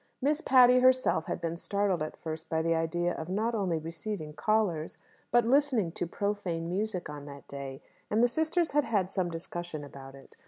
Miss Patty herself had been startled at first by the idea of not only receiving callers, but listening to profane music on that day; and the sisters had had some discussion about it.